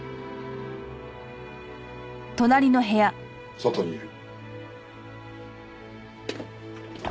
外にいる。